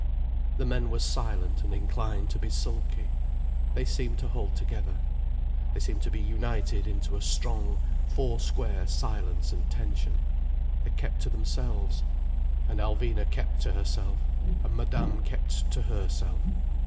The men were silent and inclined to be sulky. They seemed to hold together. They seemed to be united into a strong, four square silence and tension. They kept to themselves—and Alvina kept to herself—and Madame kept to herself.